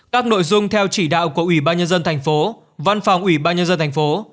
các nội dung theo chỉ đạo của ủy ban nhân dân thành phố văn phòng ủy ban nhân dân thành phố